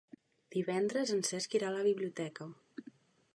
Divendres en Cesc irà a la biblioteca.